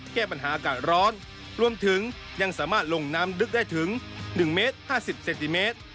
แก้ปัญหาอากาศร้อนรวมถึงยังสามารถลงน้ำลึกได้ถึง๑เมตร๕๐เซนติเมตร